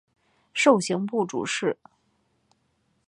授刑部主事。